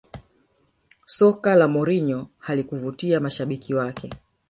Soka la Mourinho halikuvutia mashabiki wake